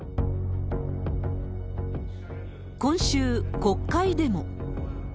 今週、国会でも。